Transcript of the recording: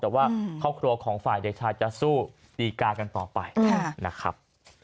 แต่ว่าครอบครัวของฝ่ายเด็กชายจะสู้ดีกากันต่อไปนะครับ